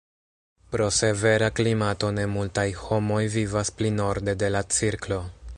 Pro severa klimato ne multaj homoj vivas pli norde de la cirklo.